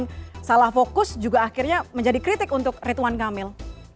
yang salah fokus juga akhirnya menjadi kritik untuk rituan kamil